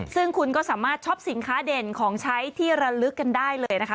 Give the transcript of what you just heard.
ซึ่งคุณก็สามารถช็อปสินค้าเด่นของใช้ที่ระลึกกันได้เลยนะคะ